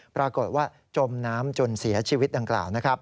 ปรากฏว่าจมน้ำจนเสียชีวิตดังกล่าวนะครับ